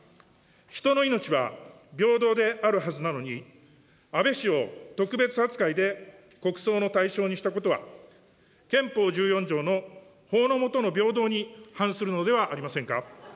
人の命は平等であるはずなのに、安倍氏を特別扱いで国葬の対象にしたことは、憲法１４条の法の下の平等に反するのではありませんか。